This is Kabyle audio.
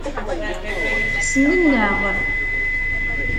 Ssnen-aɣ.